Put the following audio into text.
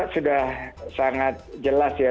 sudah sangat jelas ya